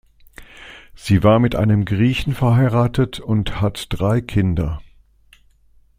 Sie war mit einem Griechen verheiratet und hat drei Kinder.